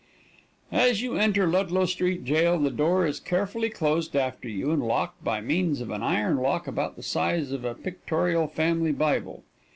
As you enter Ludlow Street Jail the door is carefully closed after you, and locked by means of an iron lock about the size of a pictorial family Bible.